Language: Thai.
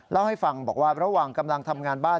เล่าให้ฟังบอกว่าระหว่างกำลังทำงานบ้าน